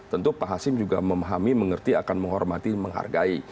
tentu pak hasim juga memahami mengerti akan menghormati menghargai